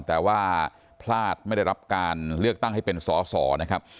แต่ว่าพลาดไม่ได้รับการเลือกตั้งให้เป็นสอสอนะครับ